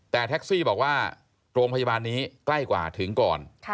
แต่แท็กซี่บอกว่าโรงพยาบาลนี้ใกล้กว่าถึงก่อน